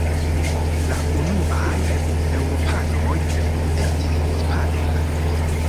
La unuaj eŭropanoj estis hispanoj.